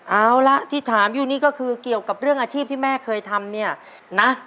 เอาละที่ถามอยู่นี่ก็คือเกี่ยวกับเรื่องอาชีพที่แม่เคยทำเนี่ยนะ